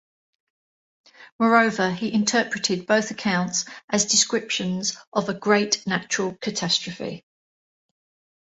Moreover, he interpreted both accounts as descriptions of a great natural catastrophe.